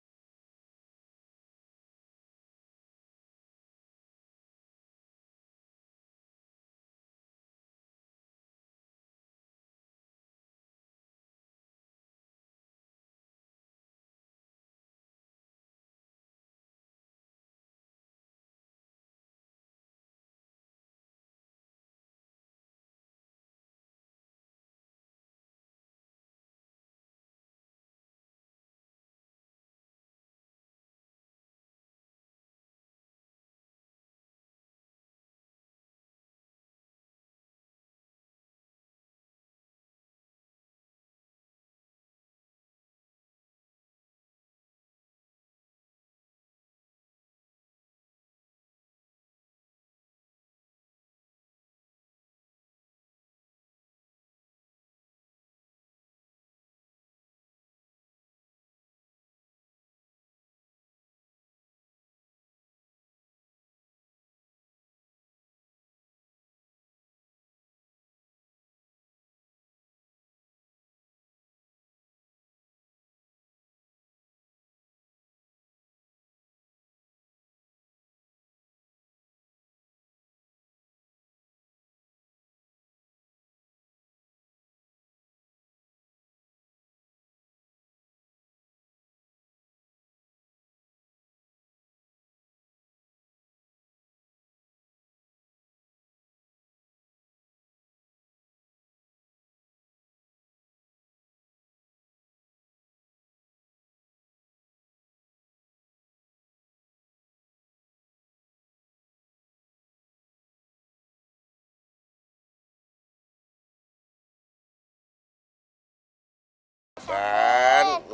kalian kadang ini caranya platem